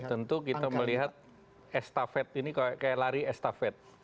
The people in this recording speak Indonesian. tentu kita melihat estafet ini kayak lari estafet